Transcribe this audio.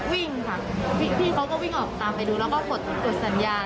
วิ่งค่ะพี่เขาก็วิ่งออกตามไปดูแล้วก็กดสัญญาณ